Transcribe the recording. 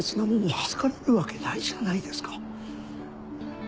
預かれるわけないじゃないですか。